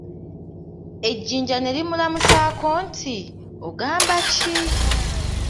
Ejinja ne limulamusaako nti, ogamba ki?